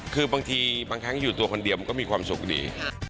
คือบางทีบางครั้งอยู่ตัวคนเดียวมันก็มีความสุขดี